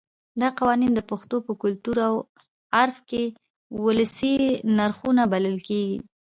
دا قوانین د پښتنو په کلتور او عرف کې ولسي نرخونه بلل کېږي.